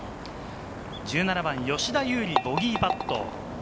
１７番、吉田優利、ボギーパット。